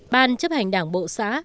ban chấp hành đảng bộ xã